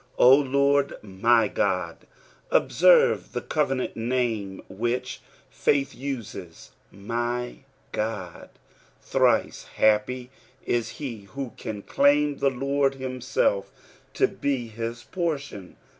" 0 Lord my Ood." Observe the covenant name which faith uses —" my Qod." Thrice happy is he who can claim the Lord himself to be his portion.